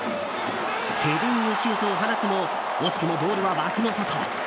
ヘディングシュートを放つも惜しくもボールは枠の外。